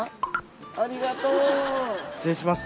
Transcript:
ありがとう失礼します。